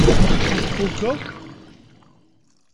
Tfukeḍ?